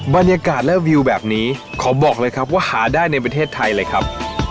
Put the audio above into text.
บรรยากาศและวิวแบบนี้ขอบอกเลยครับว่าหาได้ในประเทศไทยเลยครับ